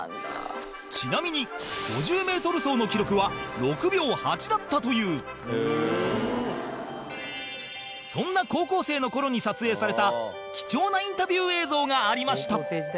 ちなみに、５０ｍ走の記録は６秒８だったというそんな高校生の頃に撮影された貴重なインタビュー映像がありました